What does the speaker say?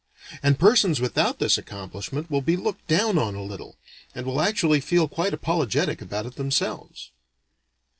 And persons without this accomplishment will be looked down on a little, and will actually feel quite apologetic about it themselves.